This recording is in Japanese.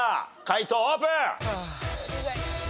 解答オープン！